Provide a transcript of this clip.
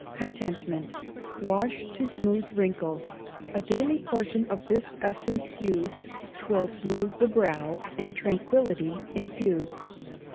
Contentment Wash to Smooth Wrinkles. A daily portion of this essence use, 'Twill smooth the brow, and tranquillity infuse.